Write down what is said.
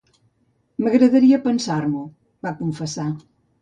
"M'agradaria pensar-m'ho", va confessar.